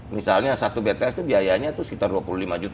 misalnya satu bts itu biayanya sekitar rp dua puluh